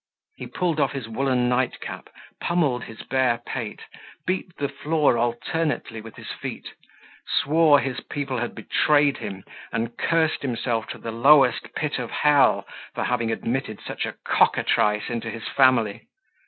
He pulled off his woollen night cap, pummeled his bare pate, beat the floor alternately with his feet, swore his people had betrayed him, and cursed himself to the lowest pit of hell for having admitted such a cockatrice into his family.